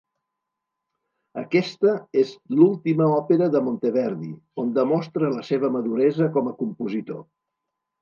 Aquesta és l'última òpera de Monteverdi, on demostra la seva maduresa com a compositor.